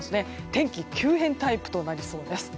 天気急変タイプとなりそうです。